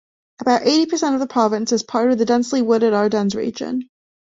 About eighty percent of the province is part of the densely wooded Ardennes region.